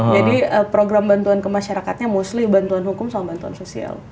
jadi program bantuan ke masyarakatnya mostly bantuan hukum sama bantuan sosial